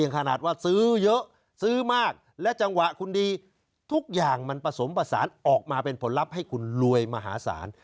ขนาดว่าซื้อเยอะซื้อมากและจังหวะคุณดีทุกอย่างมันผสมผสานออกมาเป็นผลลัพธ์ให้คุณรวยมหาศาล